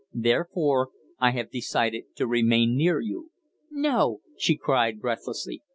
Therefore I have decided to remain near you." "No," she cried breathlessly.